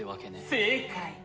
正解！